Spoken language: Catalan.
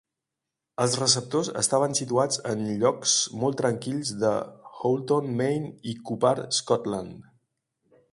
Els receptors estaven situats en llocs molt tranquils de Houlton, Maine i Cupar Scotland.